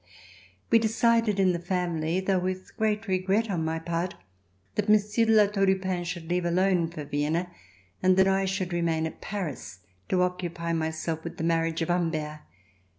We decided in the family, though with great regret on my part, that Monsieur de La Tour du Pin should leave alone for Vienna, and that I should remain at Paris to occupy myself with the marriage of Humbert.